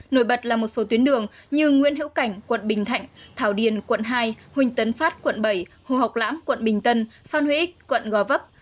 nổi bật là một số tuyến đường như nguyễn hữu cảnh quận bình thạnh thảo điền quận hai huỳnh tấn phát quận bảy hồ học lãm quận bình tân phan huy ích quận gò vấp